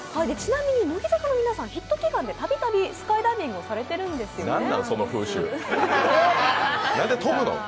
ちなみに乃木坂の皆さん、ヒット祈願でたびたびスカイダイビングされてるんですよね。